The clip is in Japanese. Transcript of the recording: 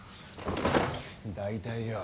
大体よ